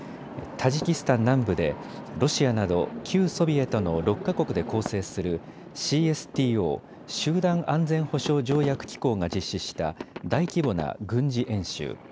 タジキスタン南部でロシアなど旧ソビエトの６か国で構成するＣＳＴＯ・集団安全保障条約機構が実施した大規模な軍事演習。